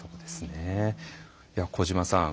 小島さん